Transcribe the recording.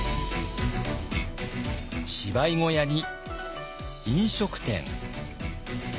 芝居小屋に飲食店。